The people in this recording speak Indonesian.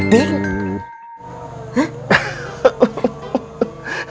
yang begitu andi urusin